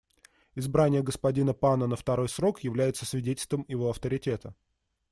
Избрание господина Пана на второй срок является свидетельством его авторитета.